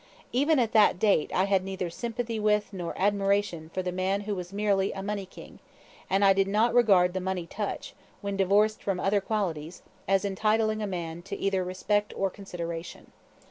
Even at that date I had neither sympathy with nor admiration for the man who was merely a money king, and I did not regard the "money touch," when divorced from other qualities, as entitling a man to either respect or consideration.